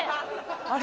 あれ？